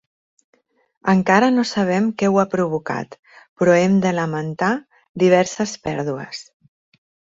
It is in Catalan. Encara no sabem què ho ha provocat, però hem de lamentar diverses pèrdues.